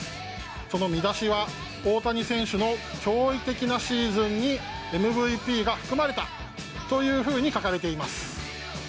この見出しは、大谷選手の驚異的なシーズンに、ＭＶＰが含まれたというふうに書かれています。